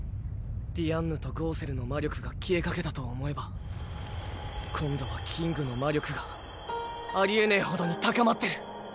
ディアンヌとゴウセルの魔力が消えかけたと思えば今度はキングの魔力がありえねぇほどに高まってる。